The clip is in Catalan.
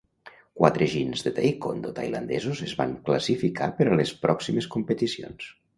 Quatre "jins" de taekwondo tailandesos es van classificar per a les pròximes competicions.